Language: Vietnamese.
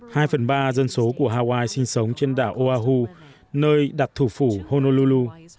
hai phần ba dân số của hawaii sinh sống trên đảo oahu nơi đặt thủ phủ honoulu